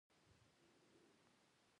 ایا ورزش روغتیا ته ګټه لري؟